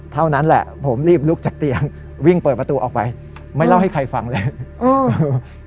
เท่านั้นแหละผมรีบลุกจากเตียงวิ่งเปิดประตูออกไปไม่เล่าให้ใครฟังเลยเออ